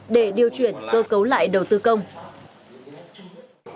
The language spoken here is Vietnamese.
để điều chuyển cơ cấu lại đầu tư công